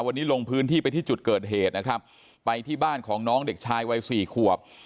วันนี้ลงพื้นที่ไปที่จุดเกิดเหตุนะครับไปที่บ้านของน้องเด็กชายวัยสี่ขวบ